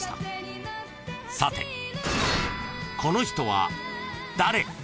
［さてこの人は誰？］